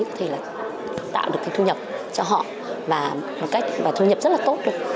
có thể tạo được thu nhập cho họ và thu nhập rất là tốt